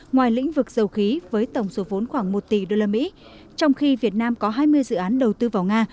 ngoài lĩnh vực dầu khí với tổng số vốn khoảng một tỷ usd trong khi việt nam có hai mươi dự án đầu tư vào nga